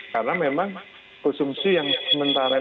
karena memang konsumsi yang sementara ini